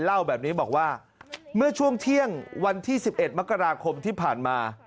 เล่าแบบนี้บอกว่าเมื่อช่วงเที่ยงวันที่๑๑มกราคมที่ผ่านมา